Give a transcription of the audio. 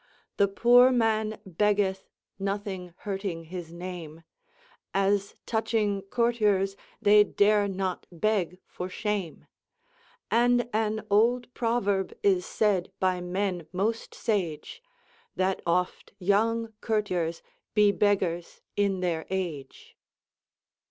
The poore man beggeth nothing hurting his name, As touching courters they dare not beg for shame. And an olde proverb is sayde by men moste sage, That oft yonge courters be beggars in their age."